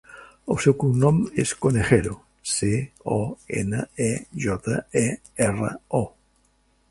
El seu cognom és Conejero: ce, o, ena, e, jota, e, erra, o.